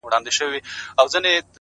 خدايه هغه زما د کور په لار سفر نه کوي،